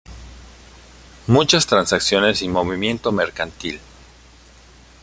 Muchas transacciones y movimiento mercantil.